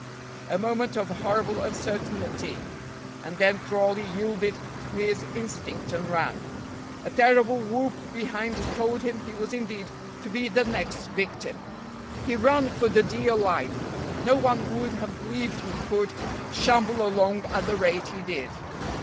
A moment of horrible uncertainty, and then Crawley yielded to his instinct and ran. A terrible whoop behind told him he was indeed to be the next victim. He ran for the dear life; no one would have believed he could shamble along at the rate he did.